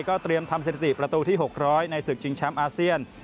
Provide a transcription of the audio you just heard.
เตรียมทำสถิติประตูที่๖๐๐ในศึกชิงแชมป์อาเซียน